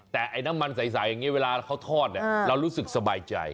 แต่น้ำมันใส่เวลาเขาทอดเรารู้สึกสบายใจ